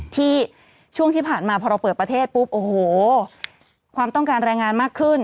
ช่วงที่ผ่านมาพอเราเปิดประเทศปุ๊บโอ้โหความต้องการแรงงานมากขึ้น